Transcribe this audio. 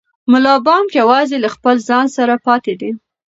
ملا بانګ یوازې له خپل ځان سره پاتې دی.